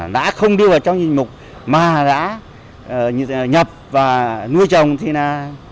đã không đi vào trong nhiệm vụ mà đã nhập và nuôi trồng thì là